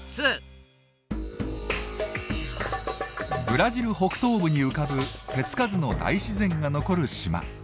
ブラジル北東部に浮かぶ手つかずの大自然が残る島。